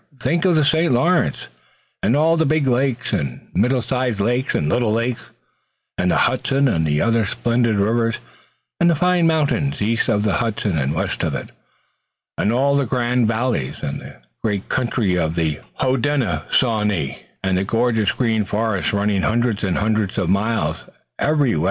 Think of the St Lawrence, and all the big lakes and middle sized lakes and little lakes, and the Hudson and the other splendid rivers, and the fine mountains east of the Hudson and west of it, and all the grand valleys, and the great country of the Hodenosaunee, and the gorgeous green forest running hundreds and hundreds of miles, every way!